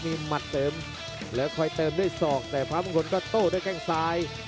มีหมัดเติมแล้วคอยเติมด้วยศอกแต่พระมงคลก็โต้ด้วยแข้งซ้าย